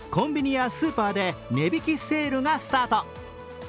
そこでコンビニやスーパーで値引きセールがスタート。